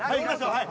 はい。